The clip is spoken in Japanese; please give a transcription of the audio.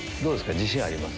自信あります？